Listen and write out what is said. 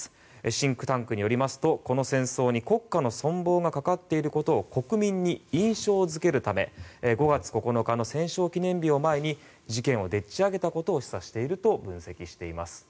シンクタンクによりますとこの戦争に国家の存亡がかかっていることを国民に印象付けるため５月９日の戦勝記念日を前に事件をでっち上げたことを示唆していると分析しています。